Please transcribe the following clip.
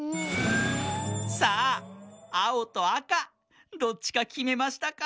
さああおとあかどっちかきめましたか？